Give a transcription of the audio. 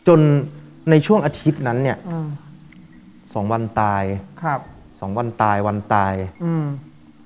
จนในช่วงอาทิตย์นั้นเนี้ยอืมสองวันตายครับสองวันตายวันตายอืม